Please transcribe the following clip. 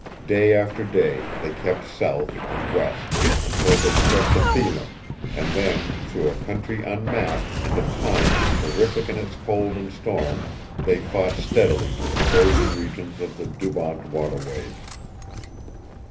Day after day they kept south and west until they struck the Thelon; and then through a country unmapped, and at times terrific in its cold and storm, they fought steadily to the frozen regions of the Dubawnt waterways.